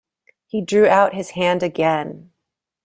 He drew out his hand again.